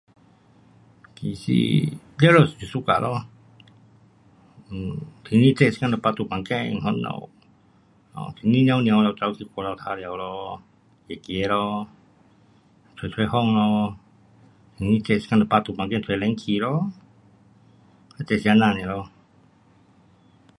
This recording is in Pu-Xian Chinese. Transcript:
就是完了是 suka 咯。嗯，天气热的时间就放在房间那家。啊，天气凉凉就跑去外头玩耍咯。走走咯，吹吹风咯。闲那个时间就放在房间吹冷气咯。就是这样尔咯。